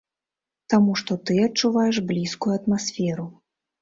Таму што ты адчуваеш блізкую атмасферу.